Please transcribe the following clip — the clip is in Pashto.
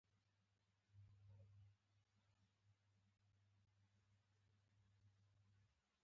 ـ ماشومان يې شته؟